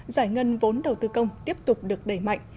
giải ngân vốn đầu tư công tiếp tục được đẩy mạnh